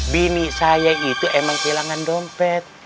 bini saya itu emang kehilangan dompet